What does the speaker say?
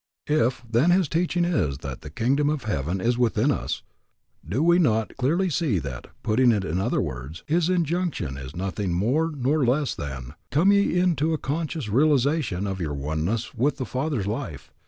If, then, his teaching is that the kingdom of heaven is within us, do we not clearly see that, putting it in other words, his injunction is nothing more nor less than, Come ye into a conscious realization of your oneness with the Father's life.